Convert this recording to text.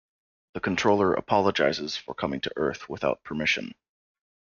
The Controller apologizes for coming to Earth without permission.